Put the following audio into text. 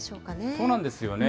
そうなんですよね。